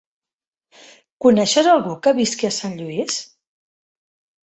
Coneixes algú que visqui a Sant Lluís?